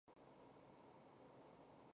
二人为了成为顶尖的音乐家而一同努力。